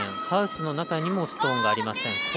ハウスの中にもストーンありません。